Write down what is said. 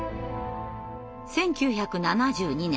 １９７２年。